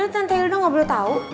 tante hilda nggak boleh tau